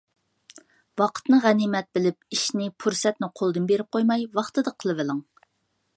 ۋاقىتنى غەنىيمەت بىلىپ، ئىشنى پۇرسەتنى قولدىن بېرىپ قويماي ۋاقتىدا قىلىۋېلىڭ.